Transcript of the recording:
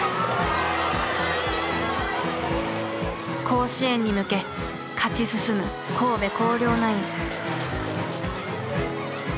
甲子園に向け勝ち進む神戸弘陵ナイン。